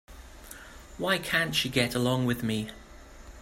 Why can't she get along with me?